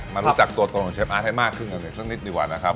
มารู้จักตัวตนของเชฟอาร์ตให้มากขึ้นกันอีกสักนิดดีกว่านะครับ